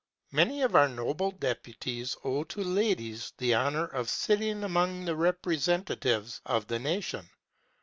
Many of our noble deputies owe to ladies the honour of sitting among the representatives of the nation.